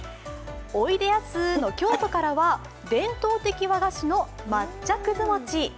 おいでやすの京都からは伝統的和菓子の抹茶葛餅。